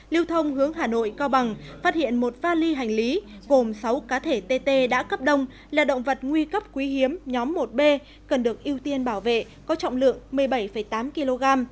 lưu thông hướng hà nội cao bằng phát hiện một vali hành lý gồm sáu cá thể tt đã cấp đông là động vật nguy cấp quý hiếm nhóm một b cần được ưu tiên bảo vệ có trọng lượng một mươi bảy tám kg